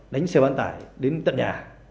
đánh xe bán tải đến tận nhà